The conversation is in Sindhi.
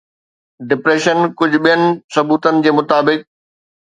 ڊپريشن ڪجهه ٻين ثبوتن جي مطابق